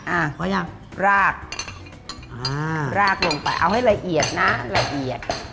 อ่าเขายังรากอ่ารากลงไปเอาให้ละเอียดนะละเอียด